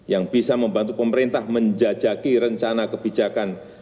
yang bisa membantu pemerintah menjajaki rencana kebijakan